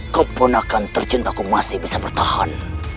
kebonakan tercinta aku masih bisa bertahan